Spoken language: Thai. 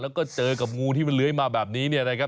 แล้วก็เจอกับงูที่มันเลื้อยมาแบบนี้เนี่ยนะครับ